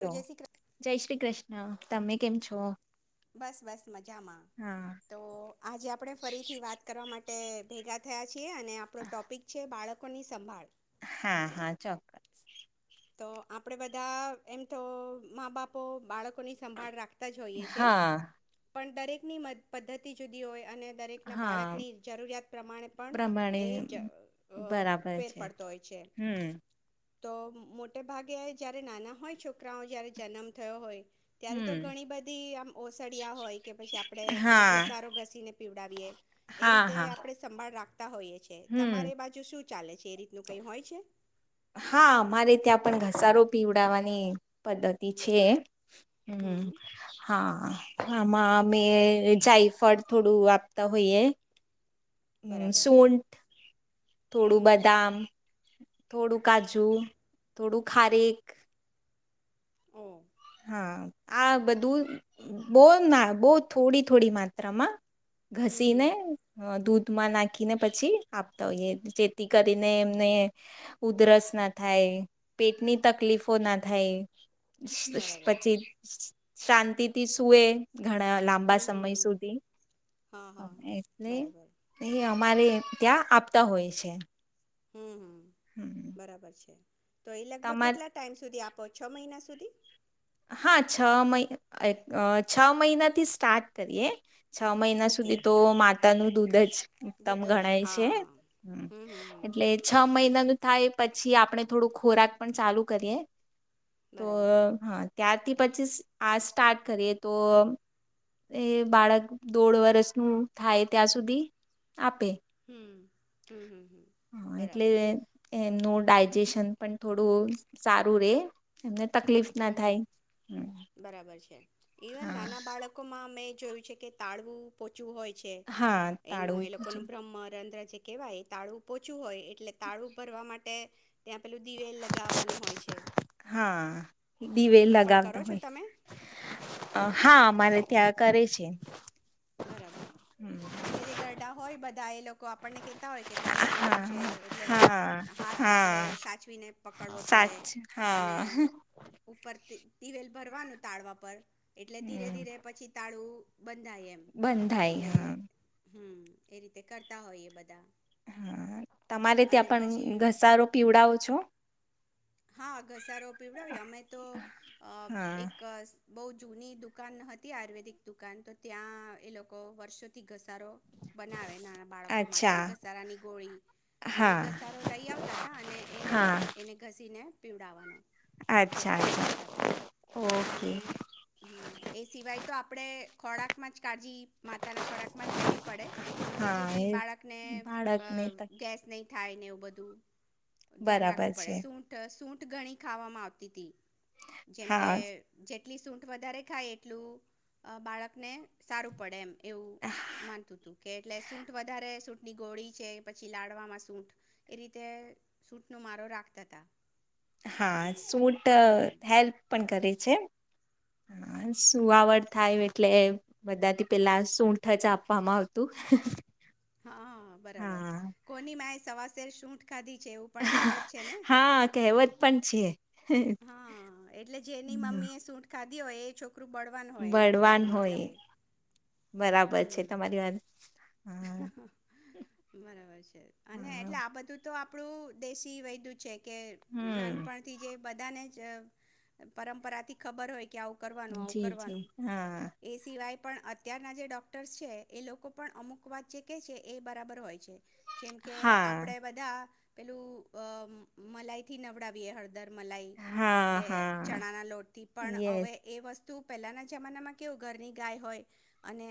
તો હ જય શ્રી કૃષ્ણ જય શ્રી કૃષ્ણ. હા તમે કેમ છો? બસ બસ મજામાં હા તો આજે આપડે ફરીથી વાત કરવા માટે ભેગા થયા. છે અને આપણો ટોપિક છે બાળક કોની સંંભાળ. હા, હા ચોક્કસ. તો આપડે બધા એમ તો મા બાપો બાળક કોની સંભાળ રાખતા જ હોઈએ છે. હા પણ દરેકની મ પદ્ધતિ જુદી હોય અને દરેક ના હા બાળકની જરૂરિયાત પ્રમાણે પણ પ્રમાણે એ જ અહ બરાબર ફેર છે પડતો હોય છે. હમ તો મોટે ભાગે જ્યારે નાના હોય છોકરાઓ જ્યારે જન્મ થયો હોય ત્યારે હમ તો ઘણી બધી આમ ઓસડિયા હોય કે પછી આપડે પેલો હા ઘસારો ઘસીને પીવડાવીએ એ હા રીતે હા આપણે સંભાળ રાખ તા હોઈએ છે. હમ તમારે બાજુ શું ચાલે છે એ રીતનું કંઈ હોય છે. હા, અમારે ત્યાં પણ ઘસારો પીવડાવવાની પદ્ધતિ છે. હમ્મ, હમ હા, હા. હામાં અમે જાયફળ થોડું આપતા હોઈએ. હમ્મ, બરાબર સુંઠ થોડું હમ બદામ થોડું કાજુ, થોડું ખારેક [inaudible] હા, આ બધું બહ ના બહ થોડી થોડી માત્રામાં હમ ઘસી હમ ને હ દૂધ માં નાખીને પછી આપતા હોઈએ જેથી કરીને એમને ઉધરસ ના થાય, પેટની તકલીફો ના થાય [inaudible] બરાબર પછી શાંતિથી સુએ ઘણા લાંબા હમ સમય હમ સુધી હા હા હા એટલે બરાબર એ અરે ત્યાં આપતા હોય છે. હમ્મ-હમ્મ. હમ, બરાબર છે. તો એ લગભગ તમારે કેટલા ટાઈમ સુધી આપો? છ મહિના સુધી હા, છ મહિ અર અ છ મહિના થી સ્ટાર્ટ કરીએ. છ મહિના ઓકે સુધી તો મા તાનું દૂધ જ એકદમ દૂધ જ ગણાય હા છે હા હમ હમ હમ લાચા મૈં અને થાય પછી આપણે થોડુંક ખોરાક પણ ચાલુ કરીએ. તો બરાબર હા, ત્યારથી પછી આ સ્ટાર્ટ કરીએ તો એ બાળક દોઢ વર્ષનું થાય ત્યાં સુધી આપે. હમ્મ. હા, એટલે એમનો ડાય જેશન પણ થોડું સારું રે અને તકલીફ હમ ના થાય. ઈવન હા નાના બાળકો મા મે જોયું છે કે, તાળવું પોચું હોય. હા, એનું તાળું એ લોકો નું બ્રહ્મમ રદ્ર કેવાય તાળવુ પોચું હોય એટલે તાળવુ ભરવા માટે ત્યાં પેલું દિવેલ લગાવાનું હોય છે. હા. દિવેલ એ પણ કરો લગાવતા છો હોય. તમે અ હા અમાર ત્યાં કરે છે. બરાબર એટલે જે ગરડા હોય બધ એ લોકો આપણને કેતા હોય કે તાળવુ હા પોચું છે એટલે હા હાથ આપણે હા સાચવીને પકડવો પડે સાચું અને હા ઉપરથી દિવેલ ભરવાનું તાળવા પર એટલે ધીરે ધીરે પછી તાળવુ બધાય એમ બધાય એટલે હા હમ. એ રીતે કરતા હોયએ બધા હા તમારે અને ત્યાં પન પછી ઘસારો પીવડાવો છો? હા ઘસારો પીવડાવી અમે તો અ હા એક બૌ જૂની દુકાન હતી આયુર્વેદિક દુકાન તો ત્યાં એ લોકો વર્ષોથી ઘસ ઘસારો બનાવે. નાના બાળકો માટે અચ્છા ઘસારાની ગોળી તો એ હા ઘસારો લઈ આવતા હતા અને એને હા વાટ એને ઘસીને પીવડાવવાનો એ અચ્છા રીતે અચ્છા કરતા તા ઓકે અને હમ એ સિવાય તો આપડે ખોળાકમાં જ કાળજી માતાના ખોરાકમાં જ લેવી પડે કે, હા જેથી એ બાળકને બાળકને બ ગેસ નહી થા થાય ને એવું બધું ધ્યાન બરાબર રાખું પડે છે સૂઠ સૂઠ ગણી ખાવામાં આવતી તી. જેમ કે હા જે એટલી સૂંઠ વધારે ખાય એટલું અ બાળકને સારું પડે એમ એવું માનતું તું કે એટલે સૂટ વધારે સૂં ની ગોળી છે પછી લાડવામાં સૂટ એ રીતે સૂટનો મારો રાખ તથા હા સુંટ હેલ્પ પણ કરે છે. અ સુઆવર થાય એટલે બધાથી પેલા સૂઠ જ આપવામાં આવતું. હા બરાબર. હા. કોની મેચ સવા શેર સુંઠ ખાધી છે. એવું પણ કહેવત છે ને હા કહેવત પણ છે. હા એટલે જેની હમ, મમ્મીએ એ સુંઠ ખાધી તી હોય એ છોક બળવાનું હોય એનો બળવાન કેવાનો મતલબ હોય એ. બરાબર છે હમ તમારી વાત હા હહ બરાબર છે. અને હા એટલે આ બધું તો આપણું દેશી વૈદ્ય ચેક કે હમ. નાનપણથી જે બધાને જ પરંપરા થી ખબર હોય કે આવું કરવાનું આવું જી જી કરવાનું. હા એ સિવાય પણ અત્યારના જે ડૉક્ટર્સ છે, એ લોકો પણ અમુક વાત જે કહે છે એ બરાબર હોય છે. જેમ કે આપડે હા બધા પેલું અ મલાઈથી નવડાવીએ હળદર મલાઇ, હા કે હા ચણા ના લોટથી પણ યસ હવે એ વસ્તુ તો પહેલાના જમાનામાં કેવુ ઘરની ગાય હોય, અને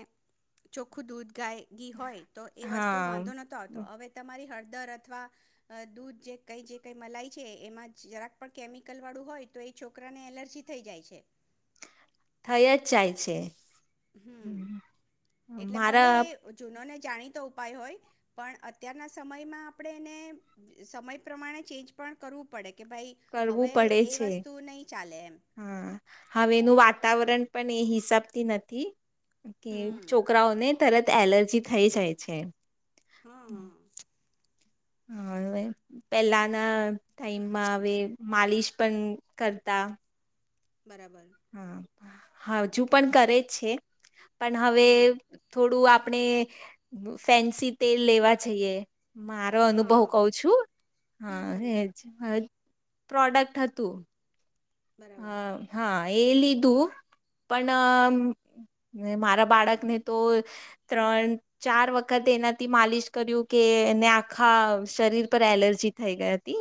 ચોખ્ખું દૂધ ગાય ઘી હોય તો એ વસ્તુ હા. વાંધો નહોતો આવતો હવે તમારી હળદ દર અથવા અ દૂધ જે કંઈ જે કંઈ મલાઈ છે એમાં જ જરાક પણ કેમિકલ વાળું હોય તો એ છોકરાને એલર્જી થઈ જાય છે. થઈ જ જાય છે. હમ એટલે ભલે મારા એ જૂનોને જાણીતો ઉપાય હોય, પણ અત્યારના સમયમાં આપણે એને સમય પ્રમાણે ચેન્જ પણ કરવું પડે. કે ભાઈ હવે કરવું પડે એ છે. વસ્તુ નહીં ચાલે એમ હા હવે એનું વાતાવરણ પણ એ હિસાબતી નથી. કે હમ છોકરાઓને તરત એલર્જી થઈ જાય છે. હા હા. હ પહેલાના ટાઈમમાં હવે માલિશ પણ કરતા. બરાબર. હા હજુ પણ કરે છે. પણ હવે હમ થોડું આપ. આપણે, ફેન્સી તેલ લેવા જઈએ. મારો અનુભવ હા કઉ છું, હમ હા હમ હાજ. પ્રોડક્ટ હતું. હ બરાબર હા. એ લીધું પણ મારા બાળકને તો ત્રણ ચાર વખત એનાથી માલિશ કર્યું કે એને આખા શરીર પર એલર્જી થઈ ગઈ હતી.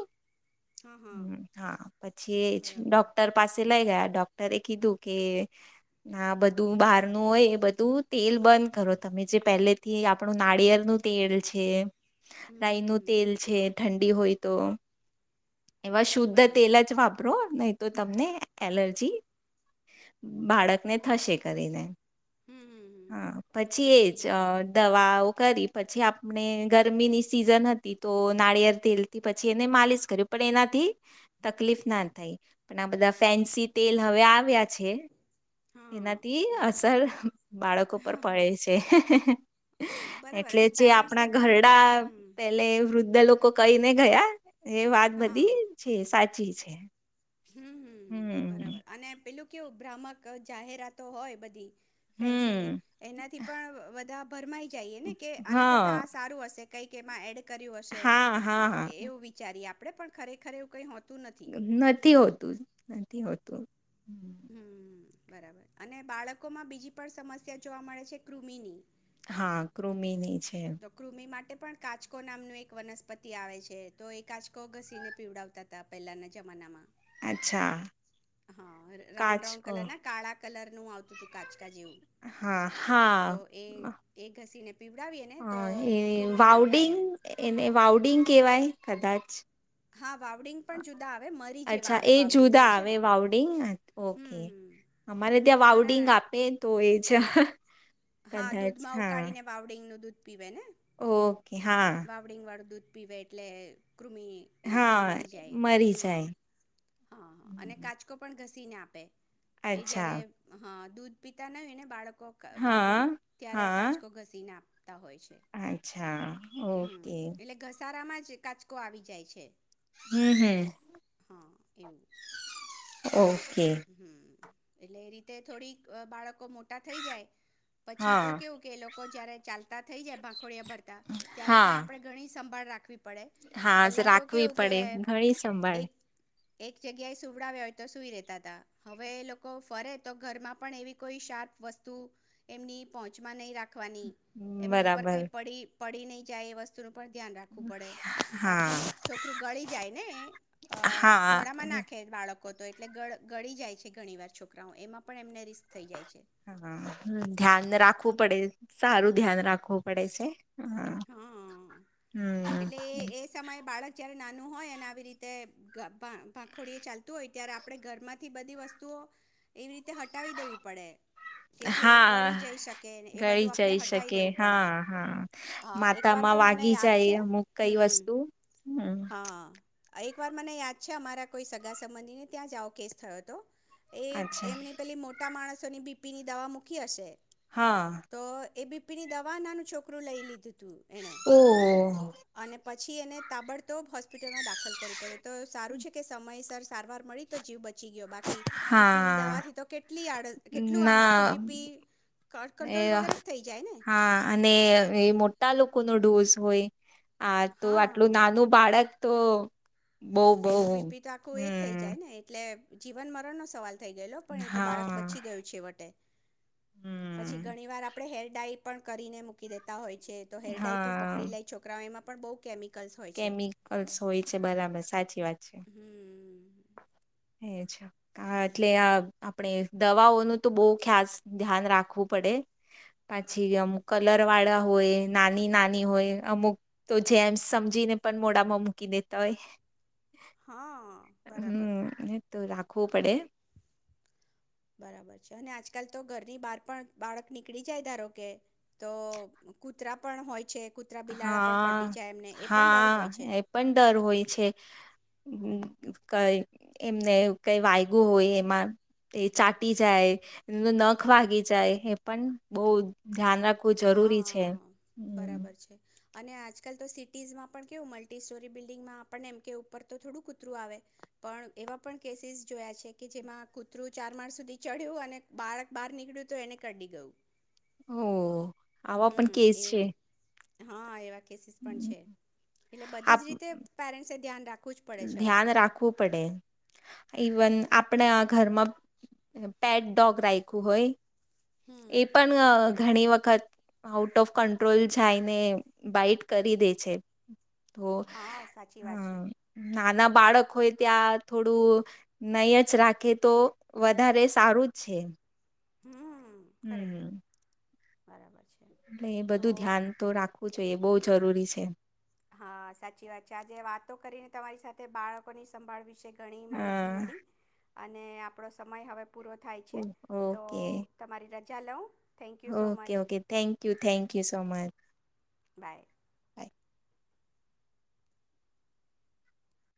હા હા હા પછી બરાબર ડોક. પાસે લઈ ગયા ડોક્ટરે કીધું કે ના બધું બહારનું હોય બધું તેલ બંધ કરો તમે જે પહેલેથી આપણું નારિયેળ નું તેલ છે. હમ રાય નો હમ તેલ છે ઠં ડી હોય તો. એ શુદ્ધ બરાબર તેલ જ વાપરો ને તો તમને એલર્જી બાળકને થશે કરીને. હમ હમ હમ હા પછી એજ બરાબર દવાઓ કરી પછી આપણે ગરમી ની સીઝન હતી તો નારિયેળ તેલ થી પછી એને માલિશ કર પણ એનાથી તકલીફ ના થાય. પણ આ બધા ફેન્સી તેલ હવે આવ્યા. છે હા એનાથી બરાબર અસર બાળકો પર હા પડે હા છે બરાબર એટલે અને જે પેરેન્ટ્સને આપણા પણ ઘરડા હમ પેલે વૃદ્ધ લોકો કઈ ને ગયા. એ વાત હા બધી છે સાચી ચીજ છે. હમમ બરાબર હમ અને પેલું કેવું ભ્રામક જાહેરાતો હોય બધી ફેન્સી હમ એનાથી પણ બધા ફરમાઈ જઈએ ને કે આના કરતા હા આ સારું હશે. કઈક એમાં એડ કયું હશે હા હા હા એવું વિચારી આપ આપણે પણ ખરેખર એવુ કઈ હો નથી હોત નથી હોતું. હમ. હમ બરાબર અને બાળકોમાં બીજી પણ સમસ્યા જોવા મળે છે કૃમિની. હા કૃમિની છે તો કૃમિ માટે પણ કાચકો નામનું એક વનસ્પતિ આવે છે તો એ કાચકો ઘસીને પીવડાવતા હતા પહેલાના જમાનામાં અચ્છા હા રાઉન્ડ કાચ રાઉન્ડ કલર ના કાળા કલર નું આવતું હતું કાચકા જેવું હા તો હા. એ ઘસીને પીવડાવી અને હ એ વાવડીગ એને વાવડિંગ કેવાય. કદાચ હા વાવડિંગ પણ જુદા આવે મરી જેવા અચ્છા આવે એ વાવડિંગ જે જુદા છે આવે ને વાઉડિંગ ઓકે હમ હમ અમારે ત્યાં ના ના વાઉડિંગ ના આપે તો એ અચ્છા. હા દૂધમાં ઉકાળી ને વાવડીંગ નું દૂધ પીવા ને ઓ બાવડીંગ વાળ દૂધ પીવે એટલે કૃમિ એનાથી હા મરી જાય મરી હમ જાય. હા હ અને હમ. કાચકો પણ ઘસી ને આપે. એ અચ્છા જયારે હા. દૂધ પીતા ન એને બાળકો. બાર હા નું ત્યારે આ હા કાચકો ઘસી ના આપ. અચ્છા. ઓકે. સારામાં જ કાચકો આવી જાય છે. હમ હમ. હા એવું. ઓ. [inaudible] એ રીતે થોડીક બાળકો. મોટા થઈ જાય પછી તો હા કેવું કે લોકો. જયારે ચાલતા થઈ જાય ભ ખોડિયા ભરતા ત્યારે પણ આપણે ગણી. સંભાળ રાખવી. પડે હાજ પહેલાં તો રાખવી કેવું કે પડે ઘણી સંભાળે. એક એક જગ્યાએ સુવડાવ્યા હોય તો સુઈ રહેતાં તા હવે એ લોકો ફરે તો ઘરમાં પણ એવી કોઈ શાર્પ વસ્તુ એમની પહોંચમાં નહી રાખ ખવાની એમની ઉપર બરાબર કંઈ પડી પડી નહી જાય એ વસ્તુ ઉપર ધ્યાન રાખવું પડે, હા બાકી છોકરું ગળી જાય ને એ હા મોડામાં નાખે બાળક કો તો એટલે ગળ ગળી જાય છે ઘણી વાર છોકરાઓ એમાં પણ એમને રિસ્ક થઈ જાય છે હા ધ્યાન રાખવું પડે સારું ધ્યાન રાખવું પડે છે. હા, હમ્મ. એટલે એ એ સમયે બાળક જ્યા નાનું હોય આવી રીતે કા ભા ભાખોડી ચાલતું હોય ત્યારે આપણે ઘરમાંથી બધી વસ્તુઓ એવી રીતે હટાવી દેવી પડે કે જે ગળી હા જઈ શકેને એ ગળી બધું આપણે જઈ હટાવી શકે દેવું પડે. હા હા હા એકવાર તો માથામાં મને વાગી યાદ જાય છે અમુક કઈ હમ વસ્તુ હમ્મ? એક વાર મને યાદ છે અમારા કોઈ સગા સંબંધીને ત્યાં જ આવો કેસ થયો તો. એ અચ્છા એમની પેલી મોટા માણસ સોની બીપીની દવા મૂકી હશે હા તો એબી પી ની દવા નાનું છોકરું લઈ લીધું. હતું એણે ઓહો. અને પછી એને તાબડતો હોસ્પિટલમાં દાખલ કરવું પડ્યું તો સારું છે કે સમયસર સારવાર મળી તો જીવ બચ ચી બાકી બીપીની હા દવાથી તો કેટલી આડત કેટલું આમ આખું ના બીપી ક કંટ્રોલ એ વગેરે જ થઈ જાય ને. હા અને એ મોટા લોકોનો ડોઝ હોય. આ તો આટલું હા નાનું બાળક તો બહુ બહુ એનું બીપી તો આખું એજ થઇ હમ જાય ને એટલે જીવન મરણ નો સવાલ થઈ ગયેલો પણ એ તો બાળક હા બચી ગયું છેવટે. પછી હમ ઘણી વાર આપડે હેલ ડાઇ પણ કરીને મૂકી દેતા હોય છે તો હેરડાઈ પણ પકડી હા લે છોકરાઓ એમાં પણ બહુ કેમિકલ્સ હોય છે કેમિકલ્સ હોય છે, બરાબર, સા ચી વાત છે. હમ એ જ, હા એટલે આપણેે દવાઓનું તો બહું ખ્યાસ ધ્યાન રાખવું પડે, પછી અમુક કલર વાળા હોય નાની નાની હોય અમુક તો જેમ સમ જીને પણ મોડામાં મૂકી દેતા હોય હા બરાબર હમ્મ. તો રાખવું પડે બરાબર છે, અને આજકાલ તો ઘરની બહાર પણ બાળક નીકળી જાય ધારો કે તો કૂતરા પણ હોય છે કૂતરા બિલાડા પણ કરડી હા, જાય એમને એ પણ ડર હોય હા છે એ પણ ડર હોય છે. કંઈ એમને એવું કંઈ વાયગું હોય એમાં એ ચાટી જાય, નન નખ વાગી જાય એ પણ બહુ ધ્યાન રાખ ખવું જરૂરી છે. હા બરાબર છે અને આજકાલ તો સિટીઝમાં પણ કેવું મલ્ટી સ્ટોરી બિલ્ડિંગમાં આપણે એમ કે ઉપર તો થોડું કુતરું આવે, પણ એવા પણ કેસીસ જોયા છે કે જેમાં કૂતરું ચાર માર સુધી ચડ્યું અને બાળક બહાર નીકળ્યું તો એને કરડી ગયું. ઓહ. આવા પણ હમ કેસ છે. એવું હા એવા કેસ પણ હમ. છે, એટલે બધી આપ છ રીતે પેરેન્સ એ ધ્યાન રાખ ધ્યાન રાખવું પડે, ઇવન આપણે આ ઘરમાં પેટ ડોગ રાયખું હોય હમ એ પણ અહ ઘણી વખત આઉટ ઓફ કંટ્રોલ જાયને બાઈટ કરી દે છે. તો હા, સાચી વાત છે. હમ નાના બાળક હોય ત્યાં થોડું નય જ રાખે તો વધારે સારું છે. હમ્મ. હમ્મ. બરાબર છે. એટલે એ તો બધું ધ્યાન તો રાખવું જોઈએ બહુ જ જરૂરી છે. હા સાચી વાત છે. આજે વાતો કરીને તમારી સાથે બાળકોની સંભાળ વિશે ઘણી માહિતી હા મળી. અને આપણો સમય હવે પૂરો થાય છે, તો તમારી ર ચાલો okay okay thank you thank you so much. By.